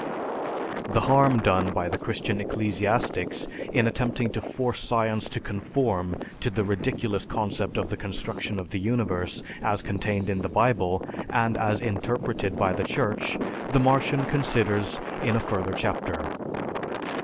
The harm done by the Christian ecclesiastics in attempting to force science to conform to the ridiculous concept of the construction of the universe as contained in the Bible, and as interpreted by the Church, the Martian considers in a further chapter.